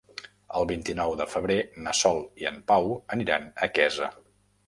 El vint-i-nou de febrer na Sol i en Pau aniran a Quesa.